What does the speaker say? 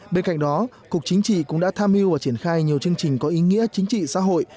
bên cạnh đó cục chính trị cũng đã tham mưu và triển khai nhiều chương trình có ý nghĩa chính trị xã hội